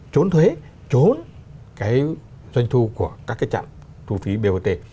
trốn thuế trốn cái doanh thu của các cái trạm thu phí bot